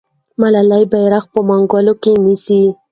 ملالۍ بیرغ په منګولو کې نیسي.